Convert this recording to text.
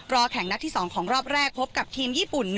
แข่งนัดที่๒ของรอบแรกพบกับทีมญี่ปุ่น๑